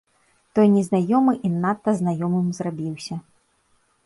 Той незнаёмы і надта знаёмым зрабіўся.